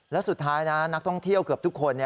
แล้วสุดท้ายนะนักท่องเที่ยวเกือบทุกคน